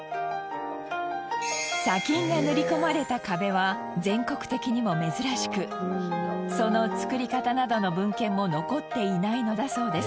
砂金が練り込まれた壁は全国的にも珍しくその造り方などの文献も残っていないのだそうです。